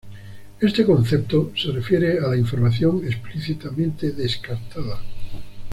Este concepto se refiere a la "información explícitamente descartada".